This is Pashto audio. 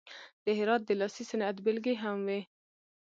د هرات د لاسي صنعت بیلګې هم وې.